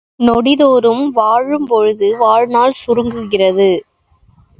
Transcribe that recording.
நொடி தோறும், வாழும் பொழுது வாழ்நாள் சுருங்குகிறது.